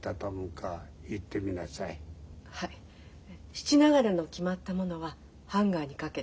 質流れの決まったものはハンガーにかけて。